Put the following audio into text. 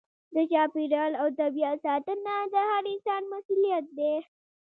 د چاپیریال او طبیعت ساتنه د هر انسان مسؤلیت دی.